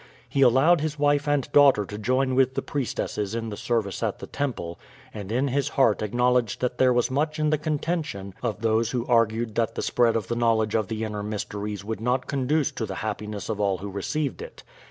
He allowed his wife and daughter to join with the priestesses in the service at the temple, and in his heart acknowledged that there was much in the contention of those who argued that the spread of the knowledge of the inner mysteries would not conduce to the happiness of all who received it.